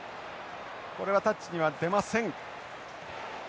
これはタッチには出ません。